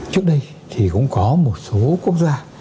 trước đây thì cũng có một số quốc gia